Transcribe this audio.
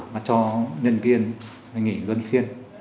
và cho nhân viên nghỉ luân phiên